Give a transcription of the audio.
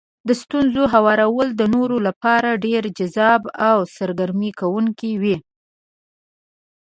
د ستونزو هوارول د نورو لپاره ډېر جذاب او سرګرمه کوونکي وي.